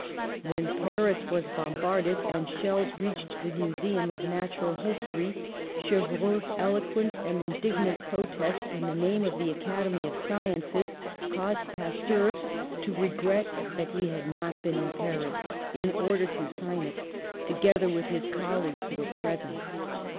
When Paris was bombarded, and shells reached the Museum of Natural History, Chevreul's elo quent and indignant protest in the name of the 101 102 PASTEUR Academy of Sciences caused Pasteur to regret that he had not been in Paris, in order to sign it, together with his colleagues who were pres ent.